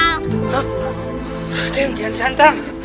raden kian santang